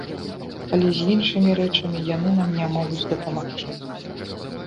Але з іншымі рэчамі яны нам не могуць дапамагчы.